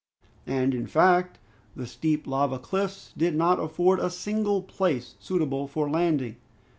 And, in fact, the steep lava cliffs did not afford a single place suitable for landing.